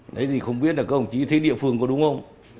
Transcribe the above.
đấy thì không biết là các ông chí thấy địa phương có đúng không